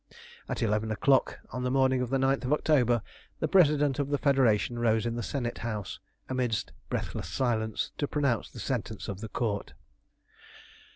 At eleven o'clock on the morning of the 9th of October the President of the Federation rose in the Senate House, amidst breathless silence, to pronounce the sentence of the Court.